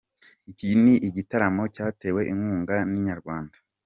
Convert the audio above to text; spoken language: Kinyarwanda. Iki ni igitaramo cyatewe inkunga na Inyarwanda.